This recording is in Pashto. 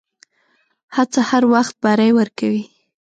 هڅه هر وخت بری ورکوي.